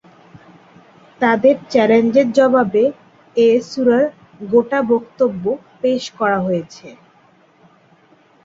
তাদের এ চ্যালেঞ্জের জবাবে এ সূরার গোটা বক্তব্য পেশ করা হয়েছে।